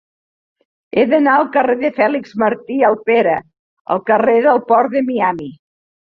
He d'anar al carrer de Fèlix Martí Alpera al carrer del Port de Miami.